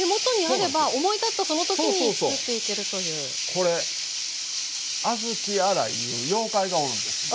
これ「小豆洗い」いう妖怪がおるんですよ。